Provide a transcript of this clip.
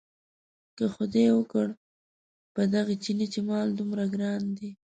که خدای وکړ په دې چیني چې مال دومره ګران دی.